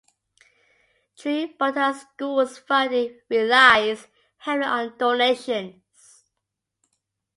True Buddha School's funding relies heavily on donations.